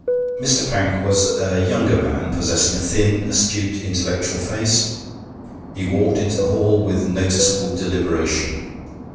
Mr. Pank was a younger man, possessing a thin, astute, intellectual face. He walked into the hall with noticeable deliberation.